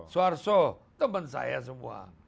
swarso teman saya semua